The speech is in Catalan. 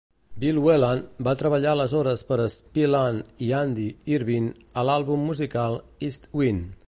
Bill Whelan va treballar aleshores per a Spillane i Andy Irvine a l'àlbum musical "EastWind".